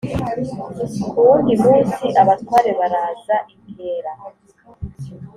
ku wundi munsi, abatware baraza inkera